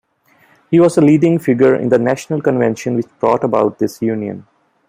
He was a leading figure in the National Convention which brought about this Union.